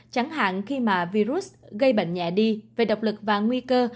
chẳng hạn khi mà virus gây bệnh nhẹ đi về độc lực và nguy cơ